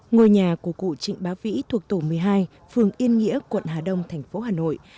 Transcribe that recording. ngôi nhà của cụ trịnh bá vĩ thuộc tổ một mươi hai phường yên nghĩa quận hà đông thành phố hà nội